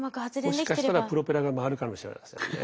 もしかしたらプロペラが回るかもしれませんね。